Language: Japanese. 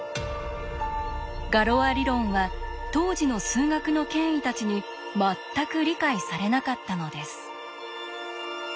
ガロア理論は当時の数学の権威たちに全く理解されなかったのです。